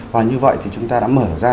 và như vậy thì chúng ta đã mở ra